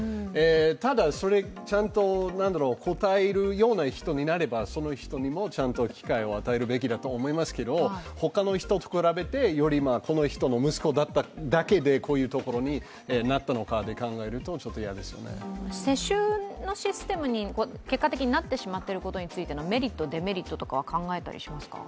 ただ、ちゃんと応えるような人になればその人にもちゃんと機会を与えるべきだと思いますけど、他の人と比べて、よりこの人の息子だっただけでこういうところになったのかで考えると世襲のシステムに結果的になってしまっていることについてのメリット、デメリットは考えたりしますか？